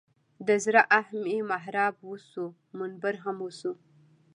د زړه آه مې محراب وسو منبر هم وسو.